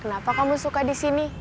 kenapa kamu suka disini